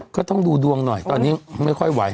ก็ต้องดูดวงหน่อยตอนนี้ไม่ค่อยไหว